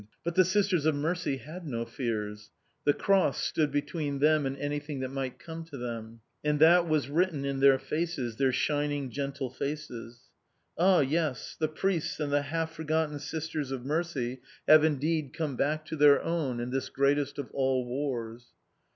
But the Sisters of Mercy had no fears. The Cross stood between them and anything that might come to them. And that was written in their faces, their shining gentle faces.... Ah yes, the Priests and the half forgotten Sisters of Mercy have indeed come back to their own in this greatest of all Wars!